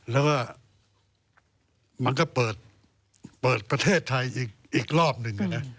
แล้วก็มันก็เปิดประเทศไทยอีกรอบหนึ่ง